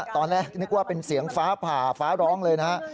ตอนแรกนึกว่าเป็นเสียงฟ้าผ่าฟ้าร้องเลยนะฮะ